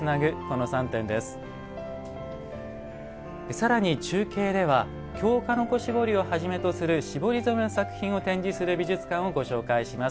さらに、中継では京鹿の子絞りをはじめとする絞り染めの作品を展示する美術館をご紹介します。